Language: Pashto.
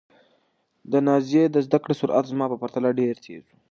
د نازيې د زده کړې سرعت زما په پرتله ډېر تېز و.